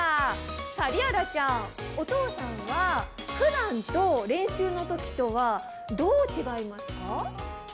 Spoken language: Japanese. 璃愛來ちゃん、お父さんはふだん練習のときとはどう違いますか？